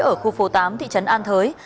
ở khu phố tám thị trấn an thới